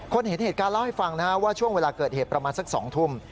เห็นเหตุการณ์เล่าให้ฟังว่าช่วงเวลาเกิดเหตุประมาณสัก๒ทุ่ม